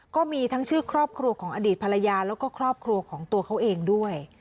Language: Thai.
ก็มีทั้งชื่อครอบครัวของอดีตภรรยาแล้วก็ครอบครัวของตัวเขาเองด้วย